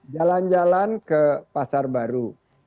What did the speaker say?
jalan jalan ke pasar baru